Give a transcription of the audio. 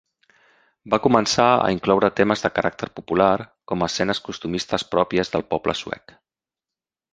Va Començar a incloure temes de caràcter popular, com escenes costumistes pròpies del poble suec.